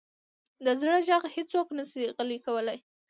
د زړه ږغ هیڅوک نه شي غلی کولی.